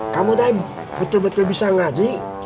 kamu betul betul bisa ngaji